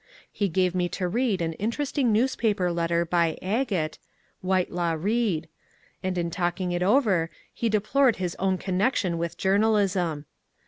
He gave me to read an in teresting newspaper letter by "Agate" (Whitelaw Reid), 332 MONCURE DANIEL CONWAY and in talking it over he deplored his own connection with journalism.